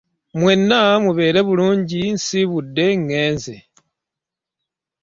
Mwenna mubeere bulunji nsibudde ngeze.